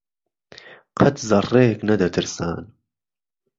قهت زهڕڕێک نهدهترسان